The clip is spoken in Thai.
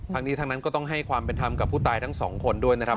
ทั้งนี้ทั้งนั้นก็ต้องให้ความเป็นธรรมกับผู้ตายทั้งสองคนด้วยนะครับ